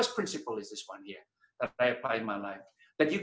prinsip pertama adalah ini yang saya lakukan dalam hidup saya